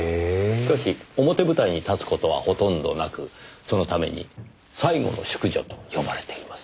しかし表舞台に立つ事はほとんどなくそのために最後の淑女と呼ばれています。